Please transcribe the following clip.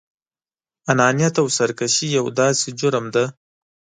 انانيت او سرکشي يو داسې جرم دی.